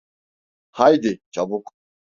Haydi, çabuk!